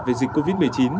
về dịch covid một mươi chín